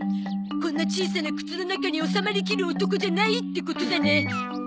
こんな小さな靴の中に収まりきる男じゃないってことだねきっと。